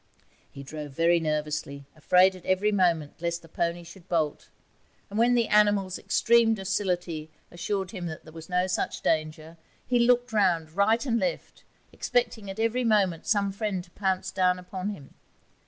He drove very nervously, afraid at every moment lest the pony should bolt; and when the animal's extreme docility assured him there was no such danger, he looked round right and left, expecting at every moment some friend to pounce down upon him.